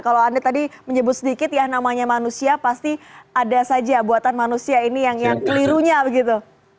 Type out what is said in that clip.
kalau anda tadi menyebut sedikit ya namanya manusia pasti ada saja buatan manusia ini yang kelirunya begitu